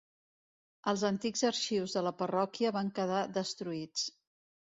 Els antics arxius de la parròquia van quedar destruïts.